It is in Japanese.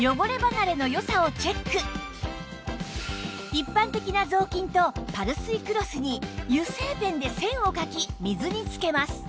一般的な雑巾とパルスイクロスに油性ペンで線を書き水につけます